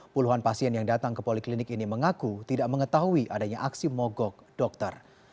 puluhan pasien yang datang ke poliklinik ini mengaku tidak mengetahui adanya aksi mogok dokter